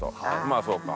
あそうか。